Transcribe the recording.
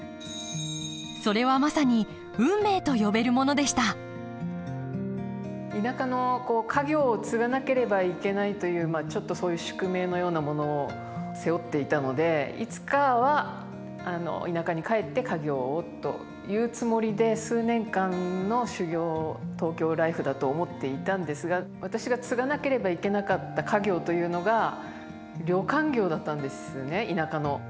それはまさに運命と呼べるものでした田舎の家業を継がなければいけないというちょっとそういう宿命のようなものを背負っていたのでいつかは田舎に帰って家業をというつもりで数年間の修業東京ライフだと思っていたんですが私が継がなければいけなかった家業というのが旅館業だったんですね田舎の。